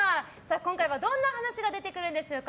今回はどんな話が出てくるんでしょうか。